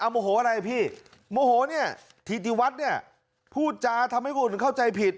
โมโหอะไรอ่ะพี่โมโหเนี่ยธิติวัฒน์เนี่ยพูดจาทำให้คนอื่นเข้าใจผิด